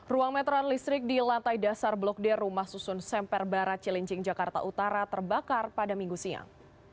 ruang meteran listrik di lantai dasar blok d rumah susun semper barat cilincing jakarta utara terbakar pada minggu siang